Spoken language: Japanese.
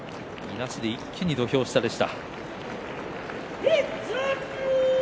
なして一気に土俵下でした。